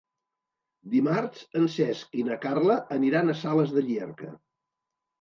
Dimarts en Cesc i na Carla aniran a Sales de Llierca.